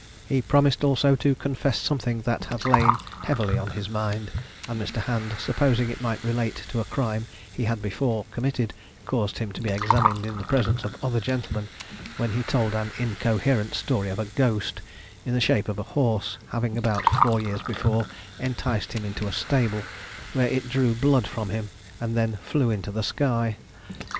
He promised also to confess something that had lain heavily on his mind; and Mr. Hand, supposing it might relate to a crime he had before committed, caused him to be examined in the presence of other gentlemen, when he told an incoherent story of a ghost, in the shape of a horse, having about four years before enticed him into a stable, where it drew blood from him, and then flew into the sky.